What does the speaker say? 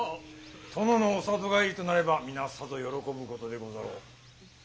殿のお里帰りとなれば皆さぞ喜ぶことでござろう。